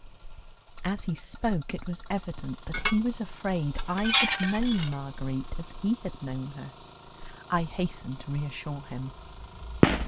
As he spoke, it was evident that he was afraid I had known Marguerite as he had known her. I hastened to reassure him.